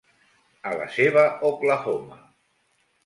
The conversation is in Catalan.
A la seva Oklahoma!